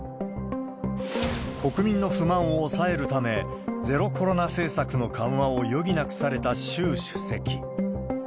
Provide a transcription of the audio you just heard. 国民の不満を抑えるため、ゼロコロナ政策の緩和を余儀なくされた習主席。